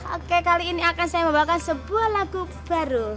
oke kali ini akan saya membawakan sebuah lagu baru